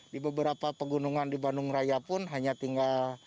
di beberapa pegunungan di bandung raya pun hanya tinggal